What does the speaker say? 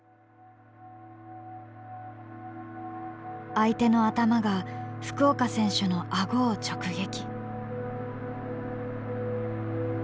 相手の頭が福岡選手の顎を直撃。